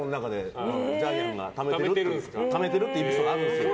ジャイアンがためてるっていうエピソードが。